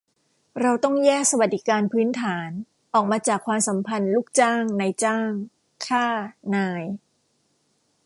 เราต้องแยกสวัสดิการพื้นฐาน ออกมาจากความสัมพันธ์ลูกจ้าง-นายจ้าง ข้า-นาย